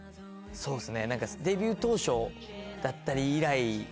そうですね。